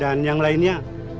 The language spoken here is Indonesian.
dan yang lainnya